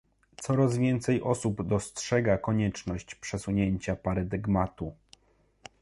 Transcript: Coraz więcej osób dostrzega konieczność przesunięcia paradygmatu